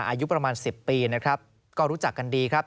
อายุประมาณ๑๐ปีนะครับก็รู้จักกันดีครับ